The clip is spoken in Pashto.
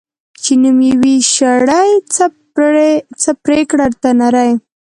چی نوم یی وی شړي ، څه پریکړه ځه نري .